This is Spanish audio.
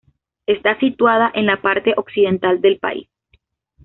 Está situada en la parte occidental del país.